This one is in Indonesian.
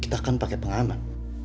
kita kan pake pengaman